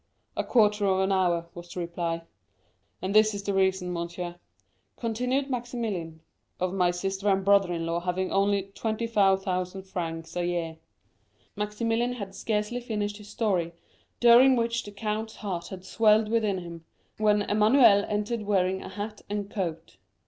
30043m "'A quarter of an hour,' was the reply. "And this is the reason, monsieur," continued Maximilian, "of my sister and brother in law having only 25,000 francs a year." Maximilian had scarcely finished his story, during which the count's heart had swelled within him, when Emmanuel entered wearing a hat and coat.